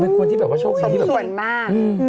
เป็นคนที่แบบว่าโชคดีที่แบบโอ้โฮส่วนมาก